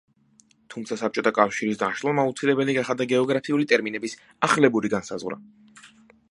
თუმცა, საბჭოთა კავშირის დაშლამ აუცილებელი გახადა გეოგრაფიული ტერმინების ახლებური განსაზღვრა.